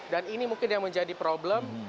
dan ini mungkin yang menjadi problem